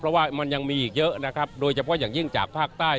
เพราะว่ามันยังมีอีกเยอะนะครับโดยเฉพาะอย่างยิ่งจากภาคใต้